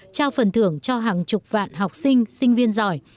trao phần thưởng cho hàng chục vạn học sinh sinh viên giỏi